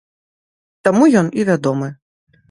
Таму ён і вядомы.